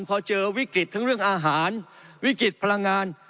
พอเจอวิกฤตทั้งเรื่องอาหารวิกฤตพลังงาน